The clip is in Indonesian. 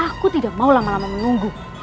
aku tidak mau lama lama menunggu